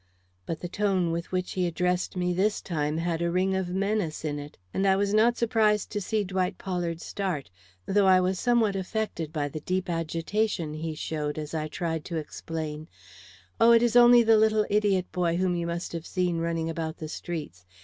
But the tone with which he addressed me this time had a ring of menace in it, and I was not surprised to see Dwight Pollard start, though I was somewhat affected by the deep agitation he showed as I tried to explain: "Oh, it is only the little idiot boy whom you must have seen running about the streets.